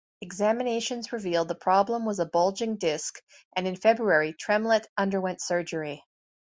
Examinations revealed the problem was a bulging disc and in February Tremlett underwent surgery.